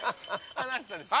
離したでしょ